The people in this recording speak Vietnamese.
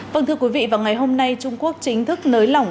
vâng thưa quý vị vào ngày hôm nay trung quốc chính thức nới lỏng